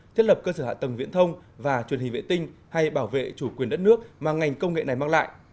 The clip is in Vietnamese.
thiết lập cơ sở hạ tầng viễn thông và truyền hình vệ tinh hay bảo vệ chủ quyền đất nước mà ngành công nghệ này mang lại